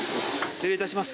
失礼いたします。